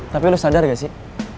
tapi lo sadar gak sih